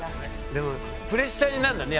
プレッシャーになるんだね